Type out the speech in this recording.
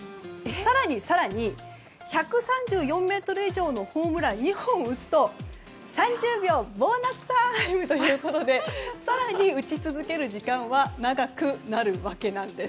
更に更に１３４ｍ以上のホームランを２本打つと３０秒ボーナスタイムで更に打ち続ける時間は長くなるわけなんです。